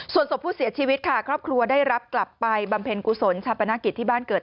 ส่วนศพผู้เสียชีวิตค่ะครอบครัวได้รับกลับไปบำเพ็ญกุศลชาปนกิจที่บ้านเกิด